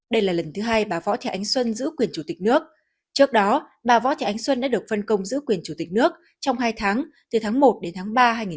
đây là lần thứ hai bà võ thị ánh xuân giữ quyền chủ tịch nước trước đó bà võ thị ánh xuân đã được phân công giữ quyền chủ tịch nước trong hai tháng từ tháng một đến tháng ba hai nghìn hai mươi